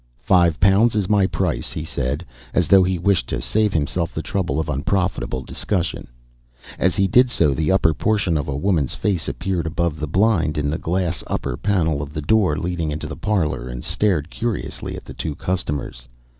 "Five pounds is my price," he said, as though he wished to save himself the trouble of unprofitable discussion. As he did so, the upper portion of a woman's face appeared above the blind in the glass upper panel of the door leading into the parlour, and stared curiously at the two customers.